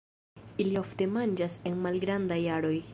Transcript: Ili ofte manĝas en malgrandaj aroj.